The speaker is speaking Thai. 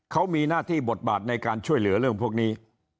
เขามีหน้าที่บทบาทในการช่วยเหลือเรื่องพวกนี้